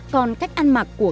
còn cách ăn mặc của